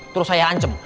terus saya ancam